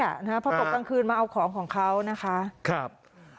พอตกกลางคืนมาเอาของของเขานะคะครับ